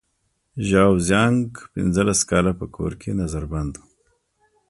ژاو زیانګ پنځلس کاله په کور کې نظر بند و.